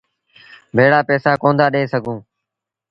ڀيڙآ پئيٚسآ ڪونا دآ ڏي سگھون۔